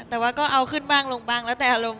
แล้วก็เอาขึ้นบ้างลงบ้างแล้วแต่ลงค่ะ